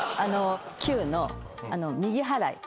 「給」の右払い。